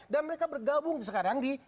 dan mereka bergabung sekarang di